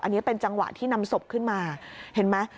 อันนี้เป็นจังหวะที่นำศพขึ้นมาเห็นไหม